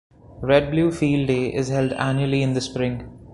Red-Blue Field Day is held annually in the spring.